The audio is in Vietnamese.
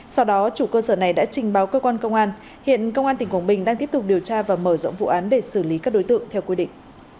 sau đó chủ cơ sở này đã trình báo cơ quan công an hiện công an tỉnh quảng bình đang tiếp tục điều tra và mở rộng vụ án để xử lý các đối tượng theo quy định